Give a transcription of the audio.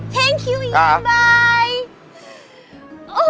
thank you iyan bye